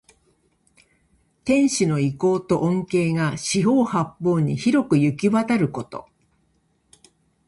天子の威光と恩恵が四方八方に広くゆきわたること。